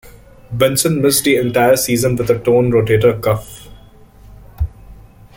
Benson missed the entire season with a torn rotator cuff.